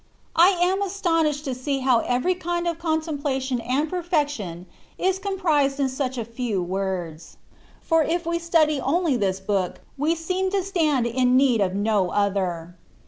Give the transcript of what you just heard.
I am astonished to see how every kind of contemplation and per fection is comprised in such few words ; for if we study only this book, we seem to stand in need of no other.